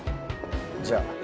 じゃあ。